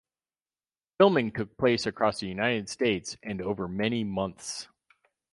Filming took place across the United States and over many months.